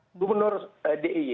nah gubernur diy